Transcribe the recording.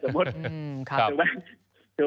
สร้างสมบุญ